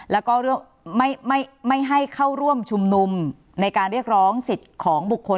แล้วก็ไม่ให้เข้าร่วมชุมนุมในการเรียกร้องสิทธิ์ของบุคคล